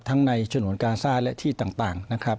ในฉนวนกาซ่าและที่ต่างนะครับ